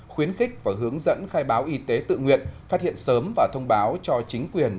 khuyến khích và hướng dẫn khai báo y tế tự nguyện phát hiện sớm và thông báo cho chính quyền